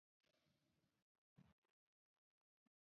ټولو ته ثابته شوه چې په لانجه کې احمد په حقه دی.